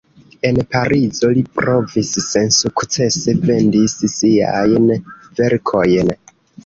En Parizo li provis sensukcese vendis siajn verkojn.